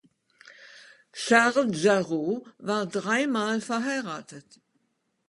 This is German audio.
Charles Jarrott war dreimal verheiratet.